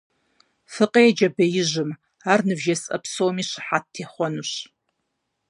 Фыкъеджэ беижьым: ар нывжесӀэ псоми щыхьэт техъуэнущ.